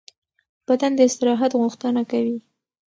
بدن د استراحت غوښتنه کوي.